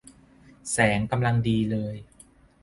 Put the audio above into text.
แสงกำลังดีเลย